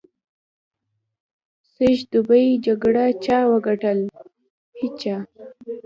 سږ دوبي جګړه چا وګټل؟ هېچا.